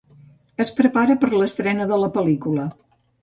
Es prepara per a l'estrena de la pel·lícula.